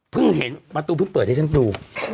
เห็นประตูเพิ่งเปิดให้ฉันดู